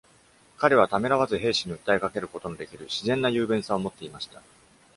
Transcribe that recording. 彼はためらわず兵士に訴えかけることのできる自然な雄弁さを持っていました。